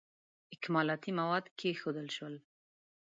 اکمالاتي مواد کښېښودل شول.